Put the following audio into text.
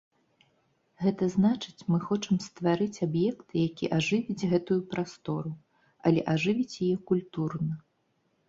Гэта значыць, мы хочам стварыць аб'ект, які ажывіць гэтую прастору, але ажывіць яе культурна.